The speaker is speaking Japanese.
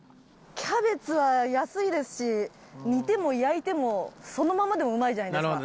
キャベツは安いですし煮ても焼いてもそのままでもうまいじゃないですか。